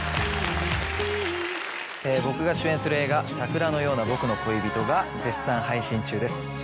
僕が主演する映画『桜のような僕の恋人』が絶賛配信中です。